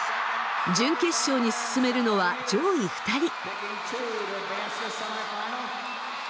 準決勝に進めるのは上位２人。